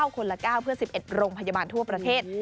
คนละ๙เพื่อ๑๑โรงพยาบาลทั่วประเทศ